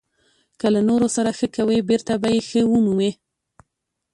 • که له نورو سره ښه کوې، بېرته به یې ښه ومومې.